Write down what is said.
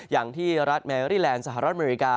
อย่างที่รัฐแมรี่แลนด์สหรัฐอเมริกา